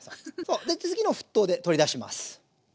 で次の沸騰で取り出します。